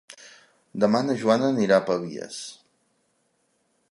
Demà na Joana anirà a Pavies.